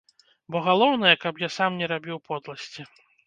Бо галоўнае, каб я сам не рабіў подласці.